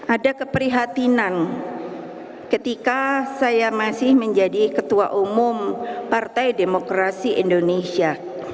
ada keprihatinan ketika saya masih menjadi ketua umum partai demokrasi indonesia